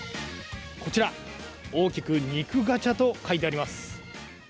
こちら、大きく肉ガチャと書いてあります。